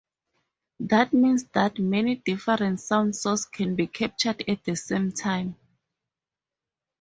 That means that many different sound sources can be captured at the same time.